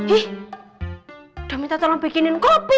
ih udah minta tolong bikinin kopi